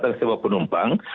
dan sebuah penumpang